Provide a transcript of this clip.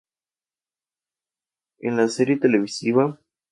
En la serie televisiva "Muhteşem Yüzyıl", es mostrado como deporte de combate.